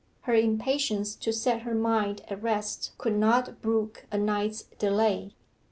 Her impatience to set her mind at rest could not brook a night's delay.